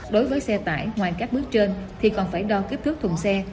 đối với xe tải ngoài các bước trên thì còn phải đo kích thước thùng xe